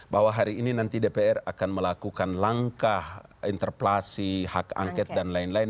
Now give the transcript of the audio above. bahwa hari ini nanti dpr akan melakukan langkah interpelasi hak angket dan lain lain